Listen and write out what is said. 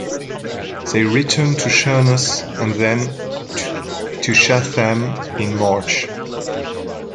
They returned to Sheerness and then to Chatham in March.